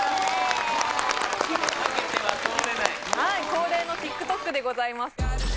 恒例のＴｉｋＴｏｋでございます